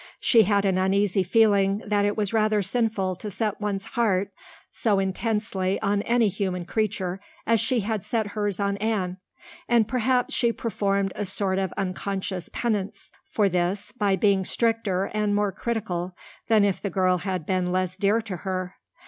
She had an uneasy feeling that it was rather sinful to set one's heart so intensely on any human creature as she had set hers on Anne, and perhaps she performed a sort of unconscious penance for this by being stricter and more critical than if the girl had been less dear to her.